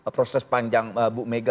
proses panjang bu mega